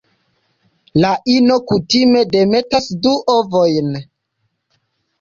La ino kutime demetas du ovojn.